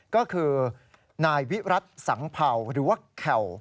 ก็คือนายวิรัติสังเผ่าหรือว่าแข่ว